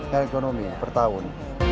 sekarang ekonomi per tahun